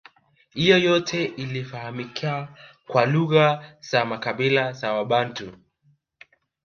Hiyo yote ilifahamika kwa lugha za makabila ya wabantu